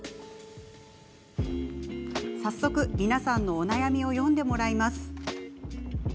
早速、皆さんのお悩みを読んでもらいます。